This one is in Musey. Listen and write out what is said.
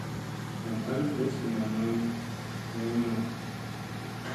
Nam ɦal gursuna maŋ wayamma.